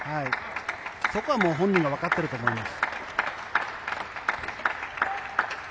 そこは本人がわかっていると思います。